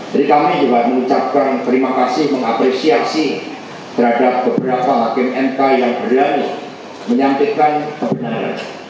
jadi kami juga mengucapkan terima kasih mengapresiasi terhadap beberapa hakim nk yang berani menyampaikan kebenaran